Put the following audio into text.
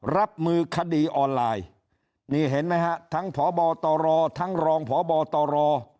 รับมือคดีออนไลน์นี่เห็นไหมฮะทั้งพบตรทั้งรองพบตร